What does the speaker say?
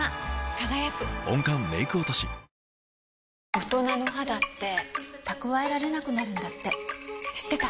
大人の肌って蓄えられなくなるんだって知ってた？